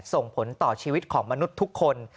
ส่งผลต่อชีวิตของมนุษย์ทุกคน